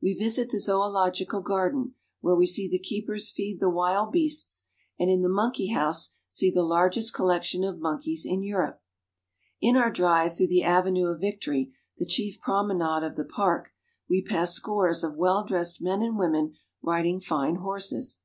We visit the zoological garden, where we see the keepers feed the wild beasts, and in the monkey house see the largest collection of monkeys in Europe. 208 GERMANY. In our drive through the Avenue of Victory, the chief promenade of the park, we pass scores of well dressed men and women riding fine horses.